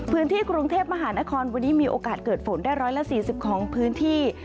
พื้นที่กรุงเทพมหานครวันนี้มีโอกาสเกิดฝนได้๑๔๐ของพื้นที่